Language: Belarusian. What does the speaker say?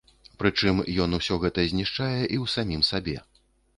Прычым ён усё гэта знішчае і ў самім сабе.